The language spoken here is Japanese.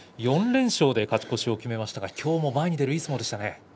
４連勝で勝ち越しを決めましたがきょうも前に出る相撲でしたね。